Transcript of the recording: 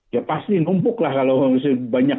ya pasti numpuk lah kalau banyak